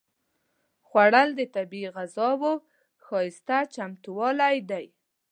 خوړل د طبیعي غذاوو ښايسته چمتووالی دی